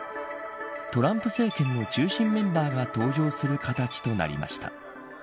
トランプ政権の中心メンバーが登場する形となりました。